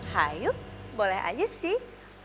hayup boleh aja sih